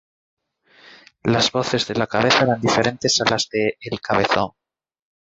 Las voces de "La Cabeza" eran diferentes a las de "El Cabezón".